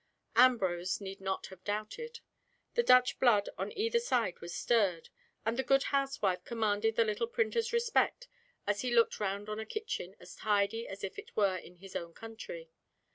Ambrose need not have doubted. The Dutch blood on either side was stirred; and the good housewife commanded the little printer's respect as he looked round on a kitchen as tidy as if it were in his own country.